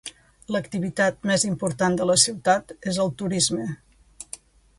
L'activitat més important de la ciutat és el turisme.